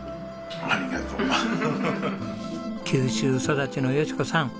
九州育ちの淑子さん